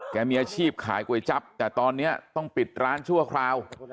มีอาชีพขายก๋วยจับแต่ตอนนี้ต้องปิดร้านชั่วคราว